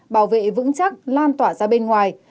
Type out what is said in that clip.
bảo vệ vững chắc lan tỏa ra bên ngoài